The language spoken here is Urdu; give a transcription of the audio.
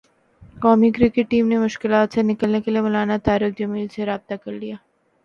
قومی کرکٹ ٹیم نے مشکلات سے نکلنے کیلئے مولانا طارق جمیل سے رابطہ کرلیا